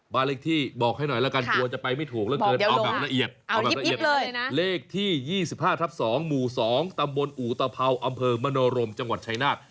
บ้านเลขที่บอกให้หน่อยแล้วกันกลัวจะไปไม่ถูกเอาแบบละเอียดเลขที่๒๕๒หมู่๒ตำบลอูตภัวร์อำเภอมโมโรมจังหวัดชายนาค